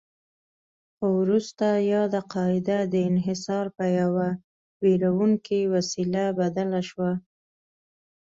خو وروسته یاده قاعده د انحصار پر یوه ویروونکې وسیله بدله شوه.